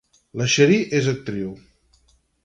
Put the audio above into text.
La Cherie és actriu.